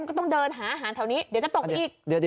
ก็ต้องเดินหาอาหารแถวนี้เดี๋ยวจะตกไปอีก